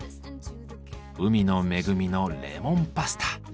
海の恵みのレモンパスタ。